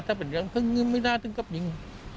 ถ้าเป็นเหลืองพึงไม่น่าต้องกับหญิง